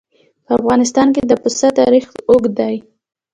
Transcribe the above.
په افغانستان کې د پسه تاریخ اوږد دی.